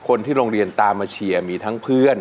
คนที่โรงเรียนตามมาเชียร์มีทั้งเพื่อน